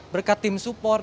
berkat tim support